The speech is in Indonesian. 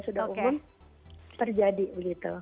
sudah umum terjadi gitu